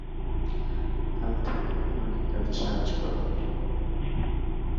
কাল থেকে আমাকে কাজে সাহায্য করো।